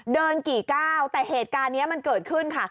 กี่ก้าวแต่เหตุการณ์นี้มันเกิดขึ้นค่ะ